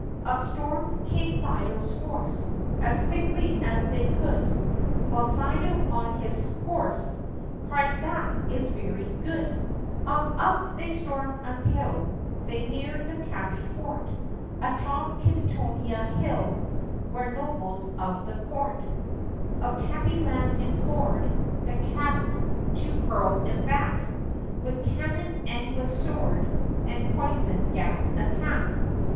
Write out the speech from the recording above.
Up stormed King Fido's force As quickly as they could While Fido on his horse Cried, "That is very good !" 126 THE PUSSYCAT PRINCESS Up, up they stormed until They neared the tabby fort Atop Kittonia Hill Where nobles of the court Of Tabbyland implored The cats to hurl 'em back With cannon and with sword And poison gas attack